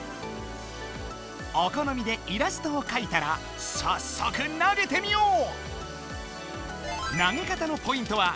おこのみでイラストをかいたらさっそく投げてみよう！